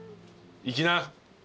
いきな。